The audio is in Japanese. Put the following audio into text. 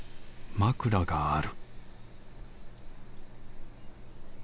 枕がある